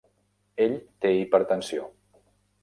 Ell té hipertensió.